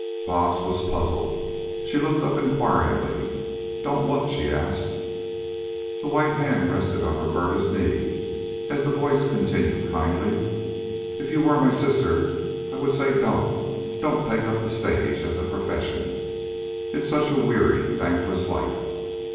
Bobs was puzzled. She looked up inquiringly: "Don't what?" she asked. The white hand rested on Roberta's knee as the voice continued kindly: "If you were my sister, I would say don't, don't take up the stage as a profession. It's such a weary, thankless life.